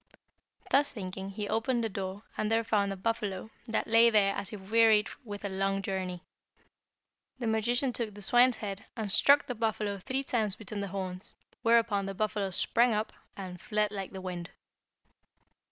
Thus thinking, he opened the door, and there found a buffalo, that lay there as if wearied with a long journey. The magician took the swine's head, and struck the buffalo three times between the horns, whereupon the buffalo sprang up and fled like the wind.